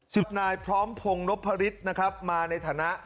สิทธิ์นายพร้อมพงฤพฤษมาในฐานะ